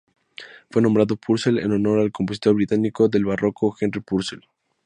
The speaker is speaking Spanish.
Fue nombrado Purcell en honor al compositor británico del barroco Henry Purcell.